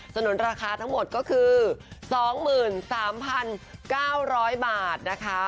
นุนราคาทั้งหมดก็คือ๒๓๙๐๐บาทนะคะ